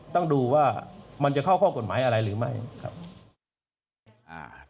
ต้องดูว่ามันจะเข้าข้อกฎหมายอะไรหรือไม่ครับ